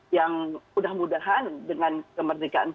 yang mudah mudahan dengan kemerdekaan